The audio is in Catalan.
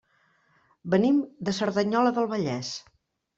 Venim de Cerdanyola del Vallès.